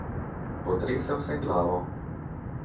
Potresel sem glavo.